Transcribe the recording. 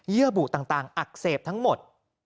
ื่อบุต่างอักเสบทั้งหมด